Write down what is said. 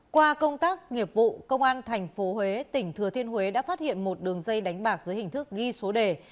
qua công tác nghiệp vụ công an tp huế tỉnh thừa thiên huế đã phát hiện một đường dây đánh bạc dưới hình thức ghi số đề